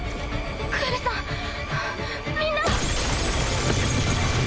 グエルさんみんな。